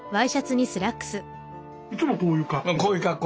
いつもこういう格好？